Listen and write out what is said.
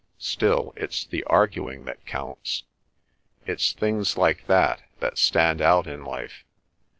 Still, it's the arguing that counts. It's things like that that stand out in life.